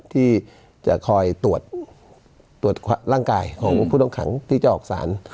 ที่จะคอยตรวจร่างกายของผู้ต้องขังที่จะออกสาร